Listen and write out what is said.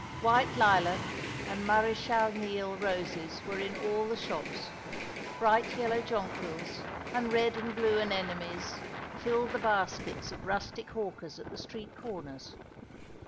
White lilac and Maréchal Niel roses were in all the shops; bright yellow jonquils, and red and blue anemones, filled the baskets of rustic hawkers at the street corners.